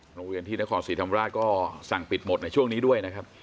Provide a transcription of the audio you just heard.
โรงเรียนที่นครศรีธรรมราชก็สั่งปิดหมดในช่วงนี้ด้วยนะครับ